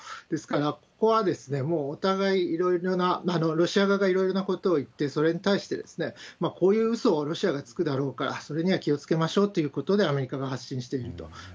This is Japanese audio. ですから、ここはもうお互い、いろいろな、ロシア側がいろいろなことを言って、それに対して、こういううそをロシアがつくだろうから、それには気をつけましょうということでアメリカが発信していると。